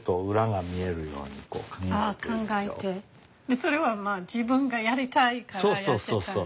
それはまあ自分がやりたいからやってたのよね。